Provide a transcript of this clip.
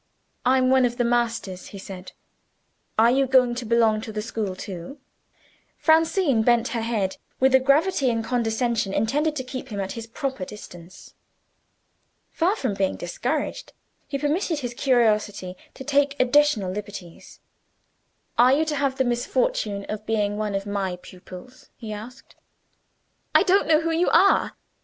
"I'm one of the masters," he said. "Are you going to belong to the school, too?" Francine bent her head, with a gravity and condescension intended to keep him at his proper distance. Far from being discouraged, he permitted his curiosity to take additional liberties. "Are you to have the misfortune of being one of my pupils?" he asked. "I don't know who you are."